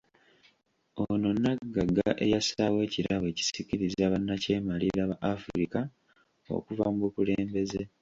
Ono Nnaggagga eyassaawo ekirabo ekisikiriza bannakyemalira ba Afirika okuva mu bukulembeze?